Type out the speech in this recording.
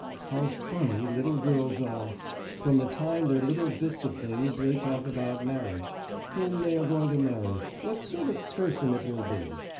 "How funny little girls are! From the time they're little bits of things they talk about marriage whom they are going to marry, what sort of person it will be.